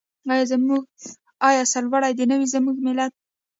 آیا سرلوړی دې نه وي زموږ ملت؟